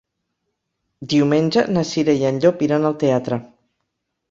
Diumenge na Cira i en Llop iran al teatre.